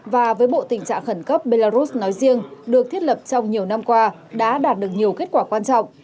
và với bộ tình trạng khẩn cấp belarus nói riêng được thiết lập trong nhiều năm qua đã đạt được nhiều kết quả quan trọng